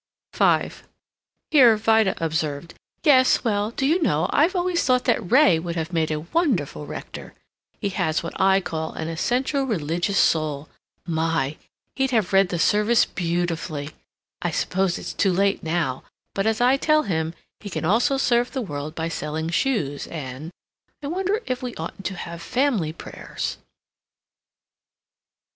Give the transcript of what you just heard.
V Here Vida observed, "Yes well Do you know, I've always thought that Ray would have made a wonderful rector. He has what I call an essentially religious soul. My! He'd have read the service beautifully! I suppose it's too late now, but as I tell him, he can also serve the world by selling shoes and I wonder if we oughtn't to have family prayers?"